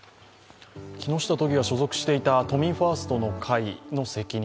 木下都議が所属していた都民ファーストの会の責任